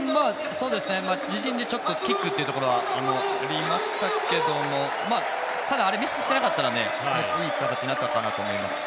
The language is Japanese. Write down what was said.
自陣に、ちょっとキックというところはありましたけどただ、ミスしてなかったのでいい形になったと思います。